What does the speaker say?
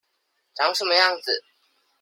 長什麼樣子